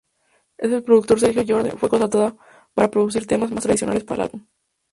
El productor Sergio George fue contratado para producir temas más tradicionales para el álbum.